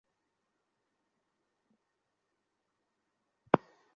কারণ, তারা যেমন ছিল দুর্ধর্ষ যোদ্ধা তেমনি সংখ্যায়ও ছিল অনেক।